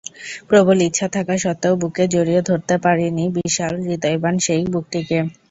প্রবল ইচ্ছা থাকা সত্ত্বেও বুকে জড়িয়ে ধরতে পারিনি বিশাল হৃদয়বান সেই বুকটিকে।